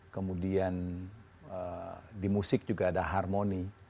kemudian di musik juga ada harmoni